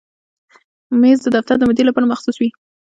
مېز د دفتر د مدیر لپاره مخصوص وي.